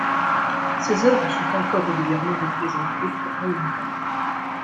Ses œuvres sont encore régulièrement représentées en Hongrie.